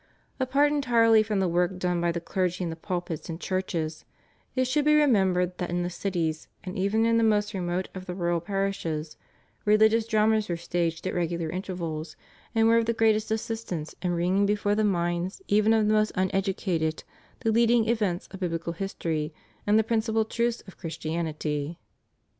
Apart entirely from the work done by the clergy in the pulpits and churches, it should be remembered that in the cities and even in the most remote of the rural parishes religious dramas were staged at regular intervals, and were of the greatest assistance in bringing before the minds even of the most uneducated the leading events of biblical history and the principal truths of Christianity.